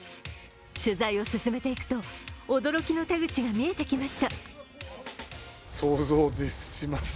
取材を進めていくと驚きの手口が見えてきました。